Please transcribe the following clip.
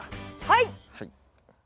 はい。